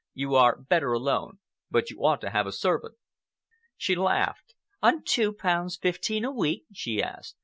You are better alone. But you ought to have a servant." She laughed. "On two pounds fifteen a week?" she asked.